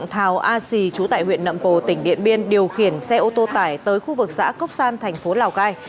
thảo a xì trú tại huyện nậm pồ tỉnh điện biên điều khiển xe ô tô tải tới khu vực xã cốc san thành phố lào cai